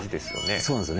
そうなんですよね。